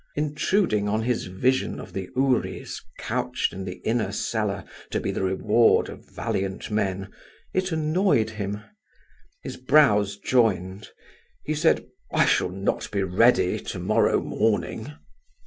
Intruding on his vision of the houris couched in the inner cellar to be the reward of valiant men, it annoyed him. His brows joined. He said: "I shall not be ready to morrow morning."